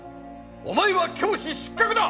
お前は教師失格だ！